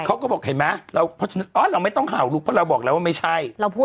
เขาก็บอกเห็นไหมเราไม่ต้องเห่าลูกเพราะเราบอกแล้วว่าไม่ใช่